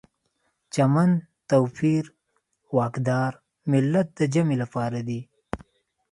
چمن، توپیر، واکدار، ملت د جمع لپاره دي.